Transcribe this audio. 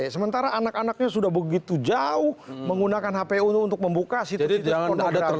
sementara anak anaknya sudah begitu jauh menggunakan hpu untuk membuka situs situs pornografi